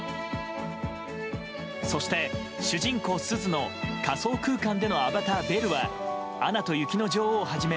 そして主人公すずの仮想空間でのアバター、ベルは「アナと雪の女王」をはじめ